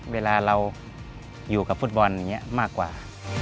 เวลาเราอยู่กับฟุตบอลอย่างนี้มากกว่า